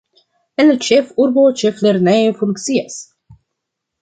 En la ĉefurbo ĉeflernejo funkcias.